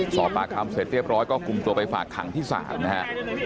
สอบปากคำเสร็จเรียบร้อยก็คุมตัวไปฝากขังที่ศาลนะฮะ